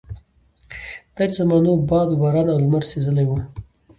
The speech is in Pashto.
دا د زمانو باد وباران او لمر سېزلي وو.